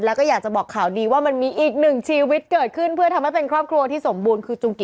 แล้วก็อยากจะบอกข่าวดีว่ามันมีอีกหนึ่งชีวิตเกิดขึ้นเพื่อทำให้เป็นครอบครัวที่สมบูรณ์คือจุงกิ